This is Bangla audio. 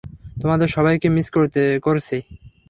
তোমাদের সবাইকে মিস করেছি।